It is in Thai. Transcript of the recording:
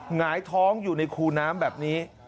หงายท้องอยู่ในคูน้ำแบบนี้